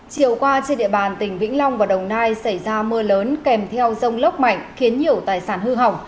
chiều qua trên địa bàn tỉnh vĩnh long và đồng nai xảy ra mưa lớn kèm theo rông lốc mạnh khiến nhiều tài sản hư hỏng